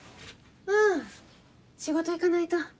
うん仕事行かないと。